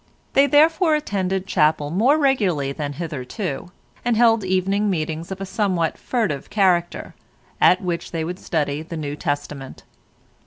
They therefore attended chapel more regularly than hitherto, and held evening meetings of a somewhat furtive character, at which they would study the New Testament.